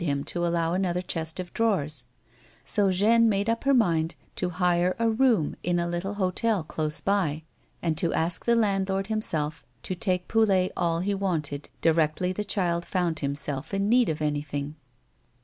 199 him to allow another chest of drawers, so Jeanne made up her mind to hire a room in a little hotel close by, and to ask the landlord himself to take Poulet all he wanted, directly the child found himself in need of anything.